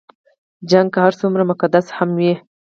جګړه که هر څومره مقدسه هم وي.